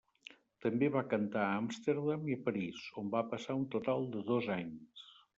També va cantar a Amsterdam i París, on va passar un total de dos anys.